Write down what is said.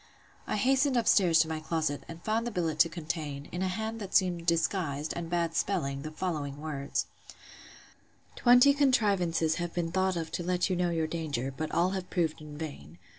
I hastened up stairs to my closet, and found the billet to contain, in a hand that seemed disguised, and bad spelling, the following words: 'Twenty contrivances have been thought of to let you know your danger: but all have proved in vain.